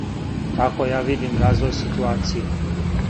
Тако ја видим развој ситуације.